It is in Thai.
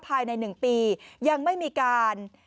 ภายใน๑ปียังไม่มีการ